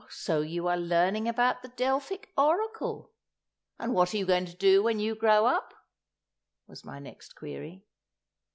"So you are learning about the Delphic Oracle. And what are you going to do when you grow up?" was my next query.